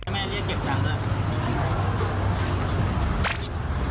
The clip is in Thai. แม่เรียนเก็บจังด้วย